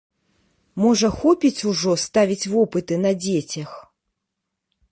Можа, хопіць ужо ставіць вопыты на дзецях?